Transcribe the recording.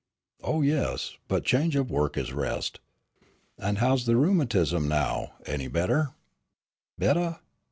"Oh, yes, but change of work is rest. And how's the rheumatism, now, any better?"